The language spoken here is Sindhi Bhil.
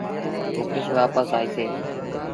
مڪيش وآپس آئيٚسي۔